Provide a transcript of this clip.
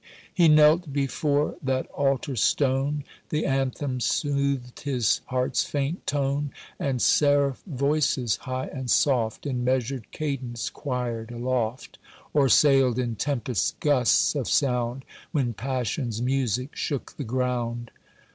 He knelt before that altar stone, The anthem soothed his heart's faint tone, And seraph voices high and soft, In measured cadence quired aloft, Or sailed in tempest gusts of sound When passion's music shook the ground.